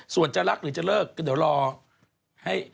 ส่วนจะรักหรือจะเลิกก็เดี๋ยวรอให้